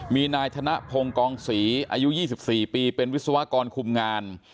มีนายธนพงศ์กองศรีอายุ๒๔ปีเป็นวิศวกรคุมงาน